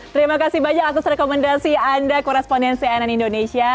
terima kasih banyak atas rekomendasi anda korespondensi ann indonesia